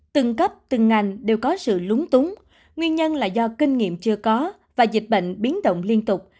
các học tập từng ngành đều có sự lúng túng nguyên nhân là do kinh nghiệm chưa có và dịch bệnh biến động liên tục